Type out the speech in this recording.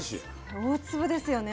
大粒ですよね。